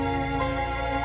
tidur di kamar abah ya